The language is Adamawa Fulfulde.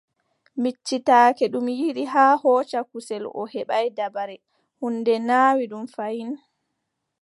Miccitake ɗum yiɗi haa hooca kusel O heɓaay dabare, huunde naawi ɗum fayin.